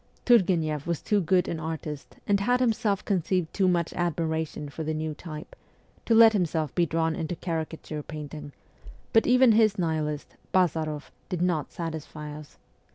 Turgueneff was too good an ST. PETERSBURG 89 artist, and had himself conceived too much admiration for the new type, to let himself be drawn into caricature painting; but even his Nihilist, Bazaroff, did not satisfy us.